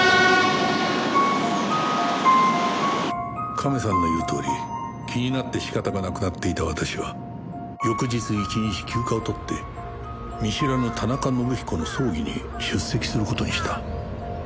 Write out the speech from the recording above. カメさんの言うとおり気になって仕方がなくなっていた私は翌日１日休暇を取って見知らぬ田中伸彦の葬儀に出席する事にした